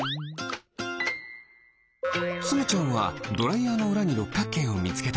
つむちゃんはドライヤーのうらにろっかくけいをみつけた！